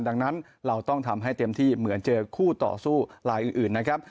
ดังนั้นเราต้องทำให้เต็มที่เหมือนเจอคู่ต่อสู้ลายอื่นนะครับ